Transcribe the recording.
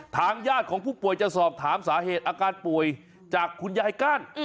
ทางญาติของผู้ป่วยจะสอบถามสาเหตุอาการป่วยจากคุณยายก้าน